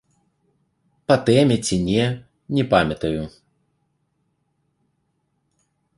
Па тэме ці не, не памятаю.